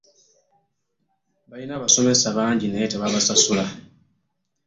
Balina abasomesa bangi naye tebabasasula.